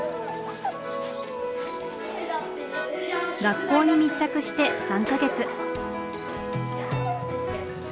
学校に密着して３か月。